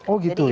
oh gitu ya